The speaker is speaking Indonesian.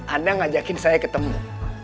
anda ngajakin saya ketemu